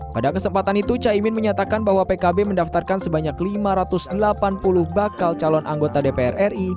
pada kesempatan itu caimin menyatakan bahwa pkb mendaftarkan sebanyak lima ratus delapan puluh bakal calon anggota dpr ri